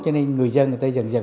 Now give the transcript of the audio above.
cho nên người dân dần dần